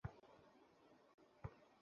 ওরা ছিল শক্তিশালী ও সূক্ষ্মদর্শী।